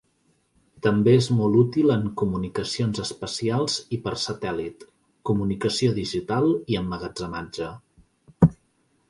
També és molt útil en comunicacions espacials i per satèl·lit, comunicació digital i emmagatzematge.